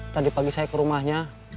tadi pagi saya ke rumahnya